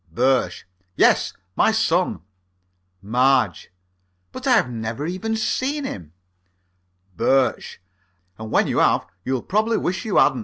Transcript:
BIRSCH: Yes, my son. MARGE: But I have never even seen him. BIRSCH: And when you have you'll probably wish you hadn't.